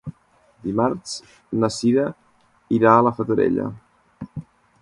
Dimarts na Cira irà a la Fatarella.